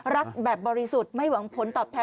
รักแบบบริสุทธิ์ไม่หวังผลตอบแท